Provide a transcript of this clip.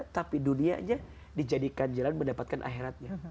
tapi dunianya dijadikan jalan mendapatkan akhiratnya